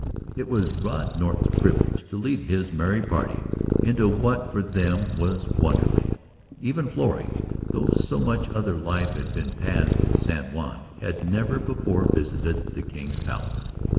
It was Rod Norton's privilege to lead his merry party into what for them was wonderland. Even Florrie, though so much other life had been passed in San Juan, had never before visited the King's Palace.